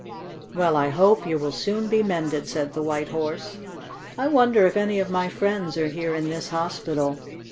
"Well, I hope you will soon be mended," said the White Horse. "I wonder if any of my friends are here in this hospital?